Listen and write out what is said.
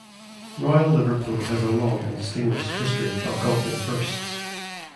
Royal Liverpool has a long and distinguished history of golfing firsts.